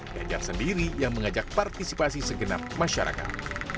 ganjar sendiri yang mengajak partisipasi segenap masyarakat